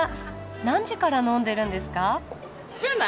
何時から飲んでるんですか？